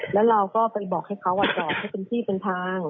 แล้วเราก็ไปบอกให้เขาจอดให้เป็นที่เป็นทาง